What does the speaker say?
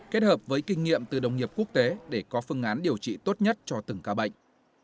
kết hợp với kinh nghiệm từ đồng nghiệp quốc tế để có phương án điều trị tốt nhất cho từng ca bệnh